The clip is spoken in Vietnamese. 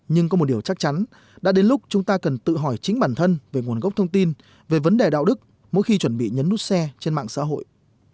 nhưng có một điều chắc chắn đã đến lúc chúng ta cần tự hỏi chính bản thân về nguồn gốc thông tin về vấn đề đạo đức mỗi khi chuẩn bị nhấn nút xe trên mạng xã hội